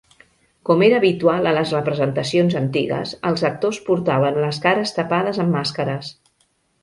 Com era habitual a les representacions antigues, els actors portaven les cares tapades amb màscares.